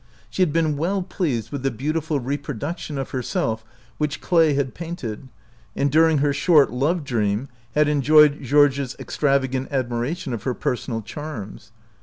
She had been well pleased with the beautiful reproduction of herself which Clay had painted, and during her short love dream had enjoyed Georges' extravagant admira tion of her personal charms.